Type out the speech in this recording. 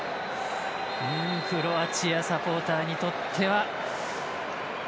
クロアチアサポーターにとっては。